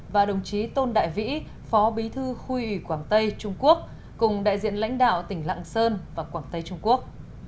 và đồng chí tôn đại vĩ phó bí thư khu ủy quảng tây trung quốc cùng đại diện lãnh đạo tỉnh lạng sơn và quảng tây trung quốc